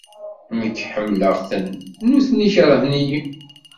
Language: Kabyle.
Nekk ḥemmleɣ-ten, nutni kerhen-iyi.